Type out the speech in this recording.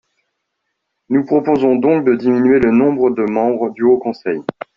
Nous proposons donc de diminuer le nombre de membres du Haut conseil.